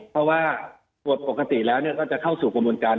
เพราะว่าปกติแล้วก็จะเข้าสู่กระบวนการ